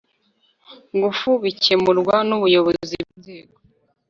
ngufu bikemurwa n ubuyobozi bw inzego